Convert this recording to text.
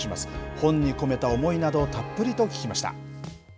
本に込めた思いなどをたっぷりと聞きました。